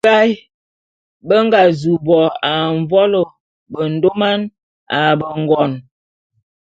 Ésae…be nga zu bo a mvolo bendôman a bengon.